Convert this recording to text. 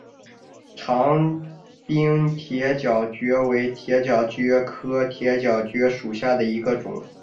长柄铁角蕨为铁角蕨科铁角蕨属下的一个种。